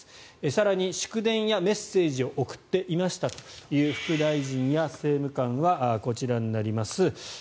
更に、祝電やメッセージを送っていましたという副大臣や政務官はこちらになります。